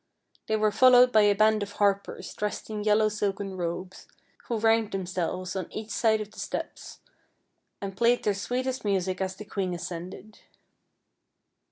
They were fol lowed by a band of harpers dressed in yellow silken robes, who ranged themselves on each side of the steps and played their sweetest music as the queen ascended.